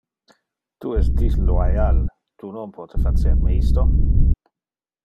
Tu es disloyal, tu non pote facer me isto!